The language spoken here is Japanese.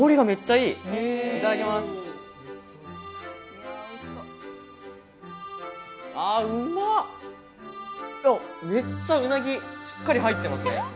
めっちゃうなぎ、しっかり入ってますね。